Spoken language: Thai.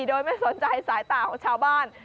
โดยไม่สนใจสายตาของชาวบ้าน